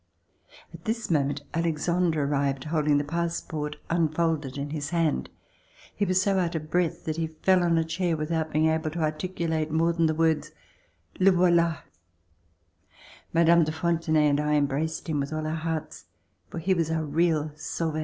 At this moment, Alexandre arrived holding the passport unfolded in his hand. He was so out of breath that he fell on a chair with out being able to articulate more than the words "Le voila!" Mme. de Fontenay and I embraced him with all our hearts, for he was our real sauveur.